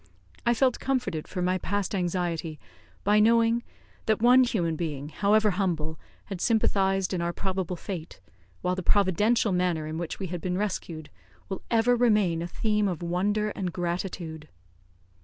I felt comforted for my past anxiety, by knowing that one human being, however humble, had sympathised in our probable fate, while the providential manner in which we had been rescued will ever remain a theme of wonder and gratitude.